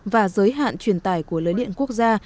và giới hạn truyền tải của lưới điện quốc gia